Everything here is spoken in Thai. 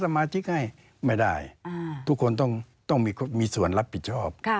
ไม่ได้ทุกคนต้องมีส่วนรับผิดชอบ